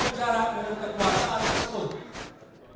serta menghapus jarak untuk kekuasaan tersebut